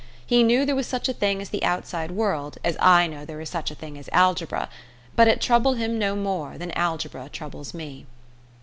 He knew there was such a thing as the outside world, as I know there is such a thing as algebra; but it troubled him no more than algebra troubles me.